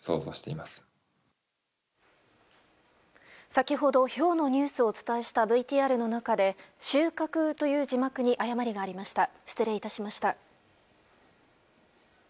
先ほどひょうのニュースをお伝えしたＶＴＲの中で収穫という字幕に誤りがありました。